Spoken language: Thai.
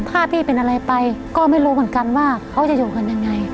ถ้าพี่เป็นอะไรไปก็ไม่รู้เหมือนกันว่าเขาจะอยู่กันยังไง